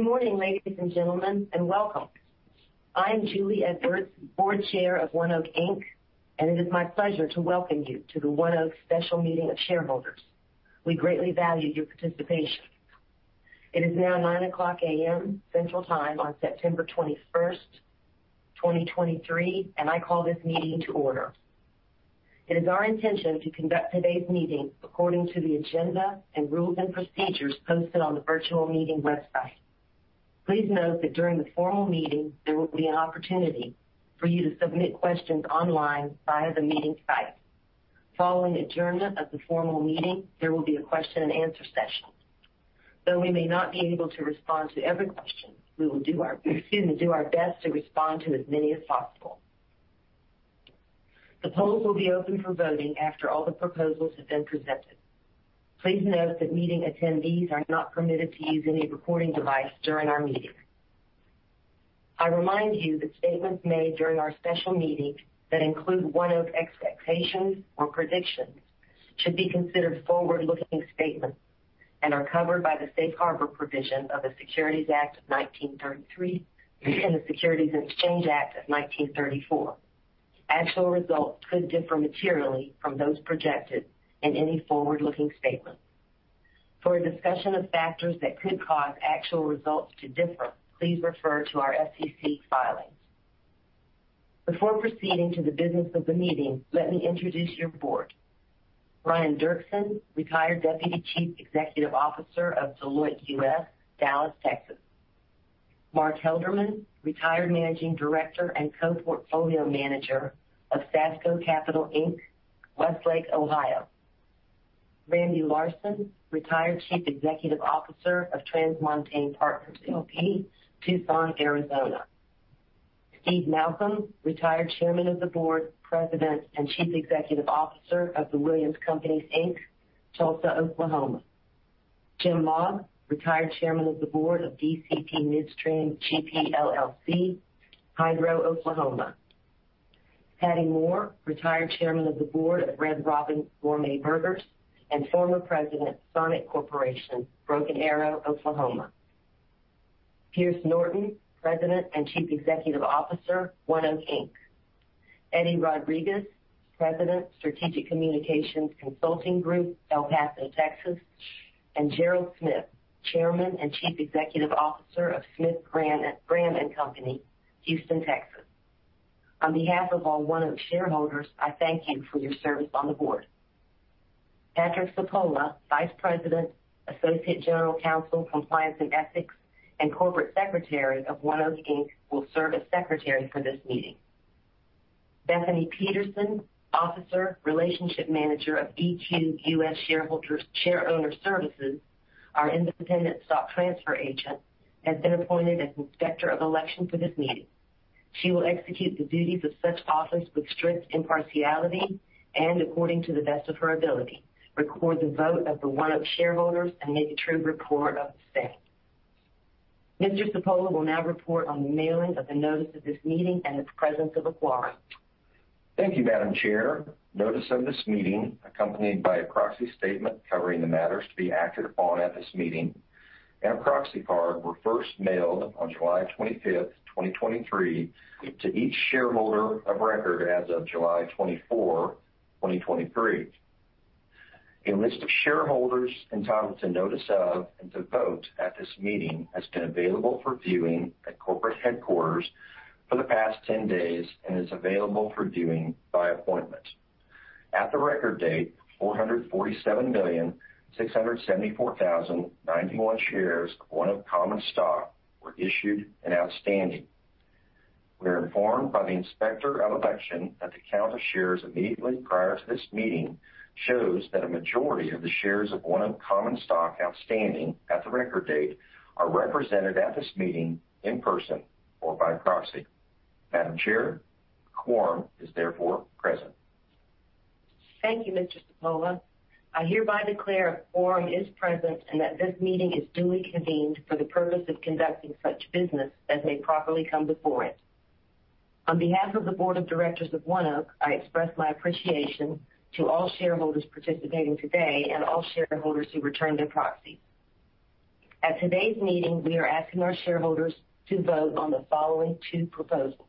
Good Morning, ladies and gentlemen, and welcome. I'm Julie Edwards, Board Chair of ONEOK. It is my pleasure to welcome you to the ONEOK Special Meeting of Shareholders. We greatly value your participation. It is now 9:00 A.M. Central Time on September 21, 2023, and I call this meeting to order. It is our intention to conduct today's meeting according to the agenda and rules and procedures posted on the virtual meeting website. Please note that during the formal meeting, there will be an opportunity for you to submit questions online via the meeting site. Following adjournment of the formal meeting, there will be a Q&A session. Though we may not be able to respond to every question, we will do our, excuse me, do our best to respond to as many as possible. The polls will be open for voting after all the proposals have been presented. Please note that meeting attendees are not permitted to use any recording device during our meeting. I remind you that statements made during our special meeting that include ONEOK expectations or predictions, should be considered forward-looking statements and are covered by the Safe Harbor provision of the Securities Act of 1933 and the Securities Exchange Act of 1934. Actual results could differ materially from those projected in any forward-looking statement. For a discussion of factors that could cause actual results to differ, please refer to our SEC filings. Before proceeding to the business of the meeting, let me introduce your board. Brian Derksen, retired Deputy Chief Executive Officer of Deloitte US, Dallas, Texas. Mark Helderman, retired Managing Director and Co-portfolio Manager of SASCO Capital, Inc., Westlake, Ohio. Randall Larson, retired Chief Executive Officer of TransMontaigne Partners L.P., Tucson, Arizona. Steve Malcolm, retired Chairman of the Board, President, and Chief Executive Officer of The Williams Companies, Inc., Tulsa, Oklahoma. Jim Mogg, retired Chairman of the Board of DCP Midstream GP, LLC, Hydro, Oklahoma. Pattye Moore, retired Chairman of the Board at Red Robin Gourmet Burgers, Inc. and former President, Sonic Corp., Broken Arrow, Oklahoma. Pierce Norton, President and Chief Executive Officer, ONEOK. Eddie Rodriguez, President, Strategic Communications Consulting Group, El Paso, Texas. Gerald Smith, Chairman and Chief Executive Officer of Smith Graham & Co., Houston, Texas. On behalf of all ONEOK Shareholders, I thank you for your service on the board. Patrick Cipolla, Vice President, Associate General Counsel, Compliance and Ethics, and Corporate Secretary of ONEOK, will serve as Secretary for this meeting. Bethany Peterson, Officer Relationship Manager of EQ Shareowner Services, our independent stock transfer agent, has been appointed as Inspector of Election for this meeting. She will execute the duties of such office with strict impartiality and according to the best of her ability, record the vote of the ONEOK Shareholders and make a true report of the same. Mr. Cipolla will now report on the mailing of the notice of this meeting and its presence of a quorum. Thank you, Madam Chair. Notice of this meeting, accompanied by a proxy statement covering the matters to be acted upon at this meeting, and a proxy card, were first mailed on July 25, 2023, to each shareholder of record as of July 24, 2023. A list of Shareholders entitled to notice of and to vote at this meeting has been available for viewing at corporate headquarters for the past 10 days and is available for viewing by appointment. At the record date, 447,674,091 shares of ONEOK common stock were issued and outstanding. We are informed by the Inspector of Election that the count of shares immediately prior to this meeting shows that a majority of the shares of ONEOK common stock outstanding at the record date are represented at this meeting in person or by proxy. Madam Chair, the quorum is therefore present. Thank you, Mr. Cipolla. I hereby declare a quorum is present and that this meeting is duly convened for the purpose of conducting such business as may properly come before it. On behalf of the Board of Directors of ONEOK, I express my appreciation to all Shareholders participating today and all Shareholders who returned their proxies. At today's meeting, we are asking our Shareholders to vote on the following two proposals.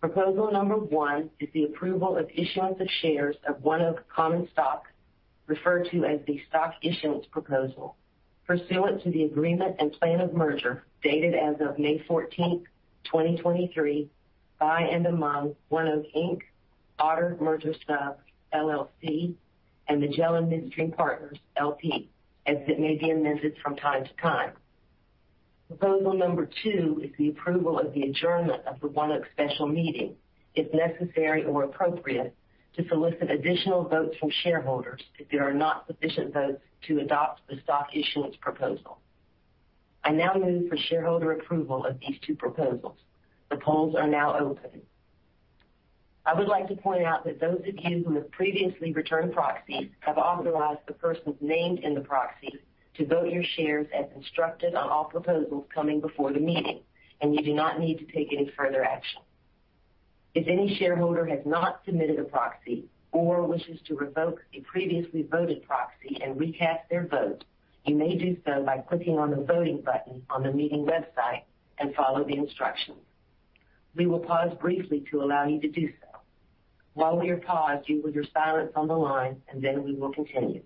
Proposal number one is the approval of issuance of shares of ONEOK common stock, referred to as the stock issuance proposal, pursuant to the Agreement and Plan of Merger dated as of May 14, 2023, by and among ONEOK, Inc., Otter Merger Sub, LLC, and Magellan Midstream Partners, L.P., as it may be amended from time to time. Proposal number two is the approval of the adjournment of the ONEOK special meeting, if necessary or appropriate, to solicit additional votes from Shareholders if there are not sufficient votes to adopt the stock issuance proposal. I now move for shareholder approval of these two proposals. The polls are now open. I would like to point out that those of you who have previously returned proxies have authorized the persons named in the proxy to vote your shares as instructed on all proposals coming before the meeting, and you do not need to take any further action. If any shareholder has not submitted a proxy or wishes to revoke a previously voted proxy and recast their vote, you may do so by clicking on the voting button on the meeting website and follow the instructions. We will pause briefly to allow you to do so. While we are paused, you will hear silence on the line, and then we will continue.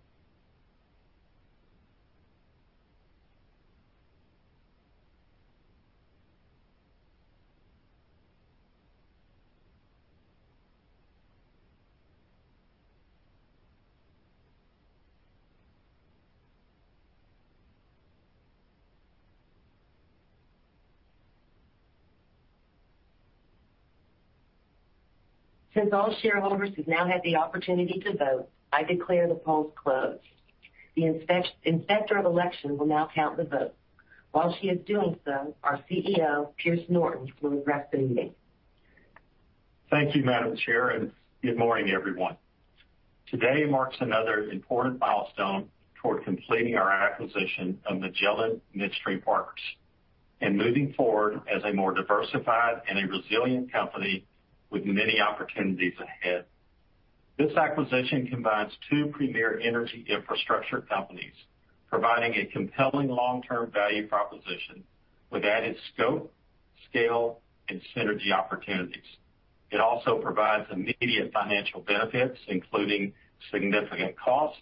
Since all Shareholders have now had the opportunity to vote, I declare the polls closed. The inspector of election will now count the votes. While she is doing so, our CEO, Pierce Norton, will address the meeting. Thank you, Madam Chair, and Good orning, everyone. Today marks another important milestone toward completing our acquisition of Magellan Midstream Partners, and moving forward as a more diversified and a resilient company with many opportunities ahead. This acquisition combines two premier energy infrastructure companies, providing a compelling long-term value proposition with added scope, scale, and synergy opportunities. It also provides immediate financial benefits, including significant cost,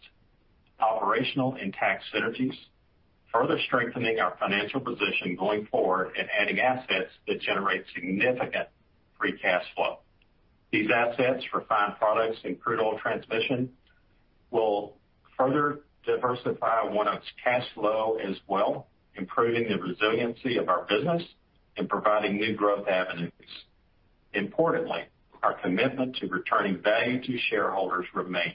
operational and tax synergies, further strengthening our financial position going forward and adding assets that generate significant free cash flow. These assets, refined products and crude oil transmission, will further diversify ONEOK's cash flow as well, improving the resiliency of our business and providing new growth avenues. Importantly, our commitment to returning value to Shareholders remains.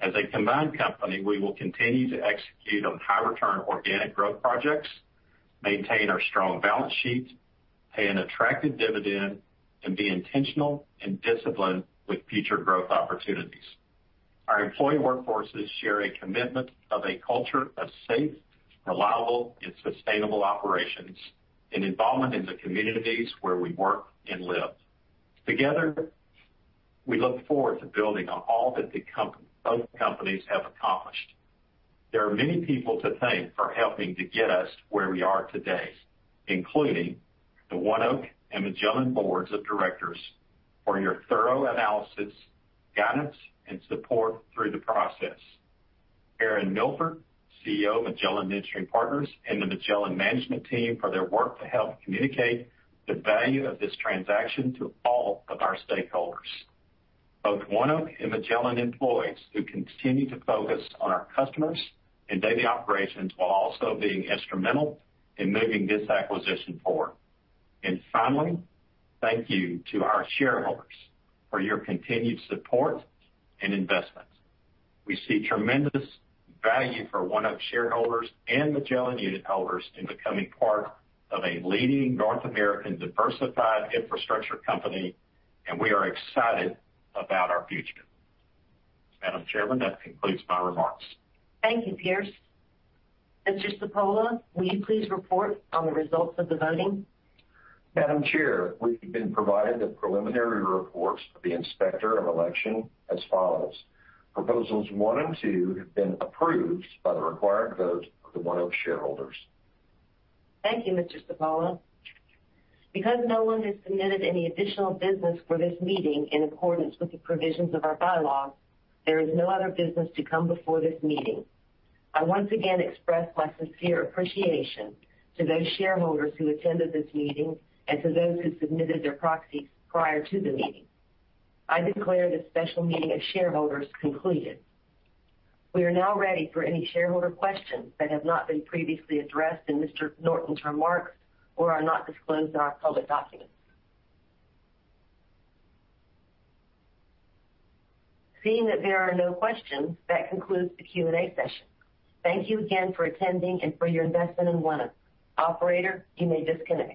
As a combined company, we will continue to execute on high return organic growth projects, maintain our strong balance sheet, pay an attractive dividend, and be intentional and disciplined with future growth opportunities. Our employee workforces share a commitment of a culture of safe, reliable, and sustainable operations, and involvement in the communities where we work and live. Together, we look forward to building on all that both companies have accomplished. There are many people to thank for helping to get us where we are today, including the ONEOK and Magellan boards of directors for your thorough analysis, guidance, and support through the process. Aaron Milford, CEO of Magellan Midstream Partners, and the Magellan Management Team for their work to help communicate the value of this transaction to all of our Stakeholders. Both ONEOK and Magellan Employees, who continue to focus on our customers and daily operations, while also being instrumental in moving this acquisition forward. Finally, thank you to our Shareholders for your continued support and investment. We see tremendous value for ONEOK Shareholders and Magellan unitholders in becoming part of a leading North American diversified infrastructure company, and we are excited about our future. Madam Chairman, that concludes my remarks. Thank you, Pierce. Mr. Cipolla, will you please report on the results of the voting? Madam Chair, we've been provided the preliminary reports of the inspector of election as follows: proposals one and two have been approved by the required votes of the ONEOK Shareholders. Thank you, Mr. Cipolla. Because no one has submitted any additional business for this meeting in accordance with the provisions of our bylaws, there is no other business to come before this meeting. I once again express my sincere appreciation to those Shareholders who attended this meeting and to those who submitted their proxies prior to the meeting. I declare this special meeting of Shareholders concluded. We are now ready for any Shareholder questions that have not been previously addressed in Mr. Norton's remarks or are not disclosed in our public documents. Seeing that there are no questions, that concludes the Q&A session. Thank you again for attending and for your investment in ONEOK. Operator, you may disconnect.